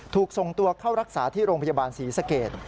ถูกส่งตัวเข้ารักษาที่โรงพยาบาลศรีสเกต